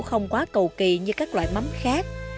không quá cầu kỳ như các loại mắm khác